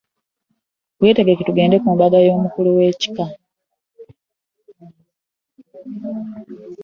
Wetegeke tugende ku mbaga y'amukulu wekika.